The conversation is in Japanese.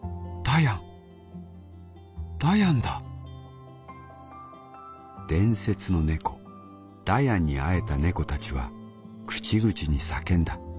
伝説の猫ダヤンに会えた猫たちは口々に叫んだ」。